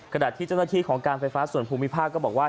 ขณะที่เจ้าหน้าที่ของการไฟฟ้าส่วนภูมิภาคก็บอกว่า